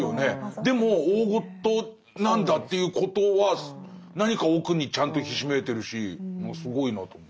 でも大ごとなんだということは何か奥にちゃんとひしめいてるしもうすごいなと思う。